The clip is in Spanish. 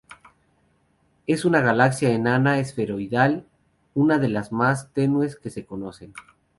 Es una galaxia enana esferoidal, una de las más tenues que se conocen.